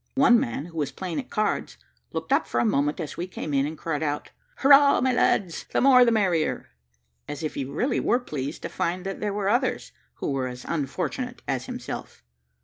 One man, who was playing at cards, looked up for a moment as we came in, and cried out, "Hurrah, my lads! the more the merrier," as if he really were pleased to find that there were others who were as unfortunate as himself.